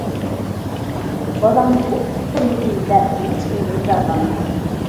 «بالامنى ئوقۇتۇپ قويمىدى» دەپ ھېچكىمدىن زارلانما.